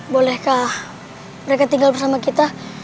boleh kak mereka tinggal bersama kita